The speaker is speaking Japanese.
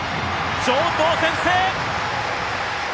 城東、先制！